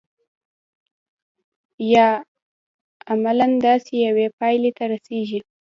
یا عملاً داسې یوې پایلې ته رسیږي.